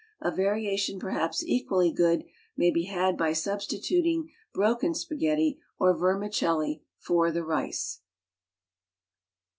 A variation perhaps equally good, may be had by substituting broken spaghetti, or vermicelli for the rice.